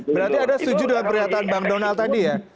berarti anda setuju dengan pernyataan bang donald tadi ya